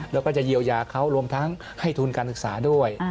แล้วก็จะเยียวยาเขารวมทั้งให้ทุนการศึกษาด้วย